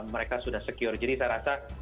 mereka sudah secure jadi saya rasa